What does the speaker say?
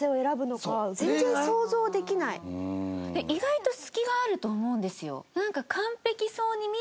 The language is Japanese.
意外と隙があると思うんですよ。